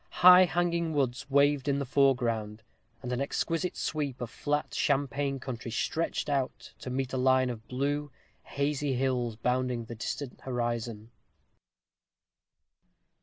High hanging woods waved in the foreground, and an extensive sweep of flat champaign country stretched out to meet a line of blue, hazy hills bounding the distant horizon.